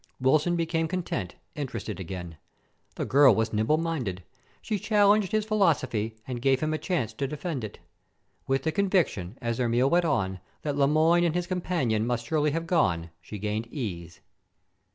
Wilson became content, interested again. The girl was nimble minded. She challenged his philosophy and gave him a chance to defend it. With the conviction, as their meal went on, that Le Moyne and his companion must surely have gone, she gained ease.